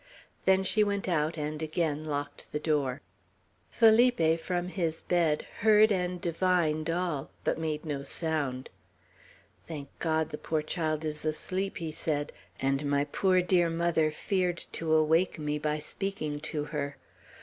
Then she went out and again locked the door. Felipe, from his bed, heard and divined all, but made no sound. "Thank God, the poor child is asleep!" he said; "and my poor dear mother feared to awake me by speaking to her!